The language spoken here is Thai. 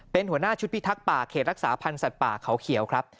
เป็นหัวหน้าชุดพิทักษ์ป่าเขตรักษาพันธ์สัตว์ป่าเขาเขียวครับ